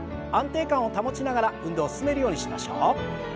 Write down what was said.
安定感を保ちながら運動を進めるようにしましょう。